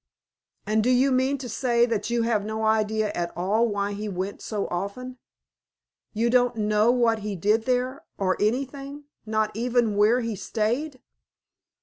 "And do you mean to say that you have no idea at all why he went so often? You don't know what he did there, or anything, not even where he stayed?"